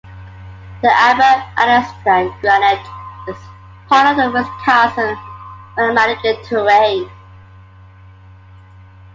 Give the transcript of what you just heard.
The Amberg-Athelstane Granite is part of the Wisconsin Magmatic Terrane.